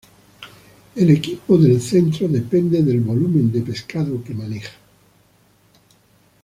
El equipo del Centro depende del volumen de pescado que maneja.